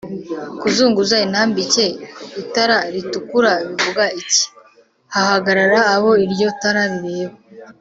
Kuzunguza intambike itara ritukura bivuga iki??Hahagarara abo iryo tara rireba